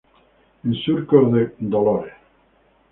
En surcos de dolores